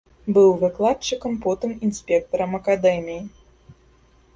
Быў выкладчыкам, потым інспектарам акадэміі.